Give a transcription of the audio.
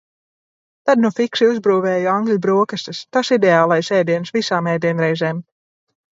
Tad nu fiksi uzbrūvēju angļu brokastis, tas ideālais ēdiens visām ēdienreizēm.